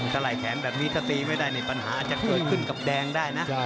ถ้าไหลแขนแบบนี้ถ้าตีไม่ได้ในปัญหาอาจจะเกิดขึ้นกับแดงได้นะ